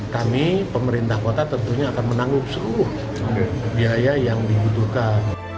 kami pemerintah kota tentunya akan menanggung seluruh biaya yang dibutuhkan